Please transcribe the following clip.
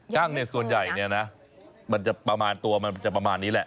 ั้งเนี่ยส่วนใหญ่เนี่ยนะมันจะประมาณตัวมันจะประมาณนี้แหละ